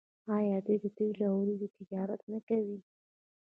آیا دوی د تیلو او وریجو تجارت نه کوي؟